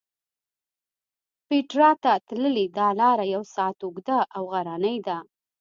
پېټرا ته تللې دا لاره یو ساعت اوږده او غرنۍ ده.